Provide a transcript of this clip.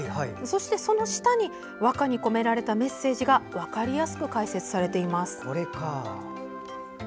そして、その下に和歌に込められたメッセージが分かりやすく解説されています。